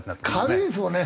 軽いですもんね。